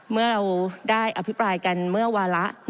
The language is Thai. เมื่อเราได้อภิปรายกันเมื่อวาระ